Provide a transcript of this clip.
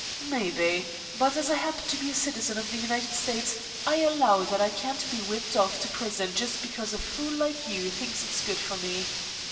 "Maybe. But as I happen to be a citizen of the United States, I allow that I can't be whipped off to prison just because a fool like you thinks it's good for me.